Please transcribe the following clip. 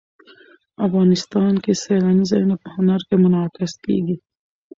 افغانستان کې سیلاني ځایونه په هنر کې منعکس کېږي.